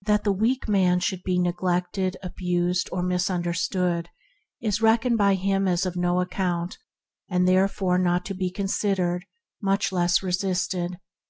That the meek man should be neglected, abused, or misunderstood is reckoned by him as of no account, and therefore not to be considered, much less resisted.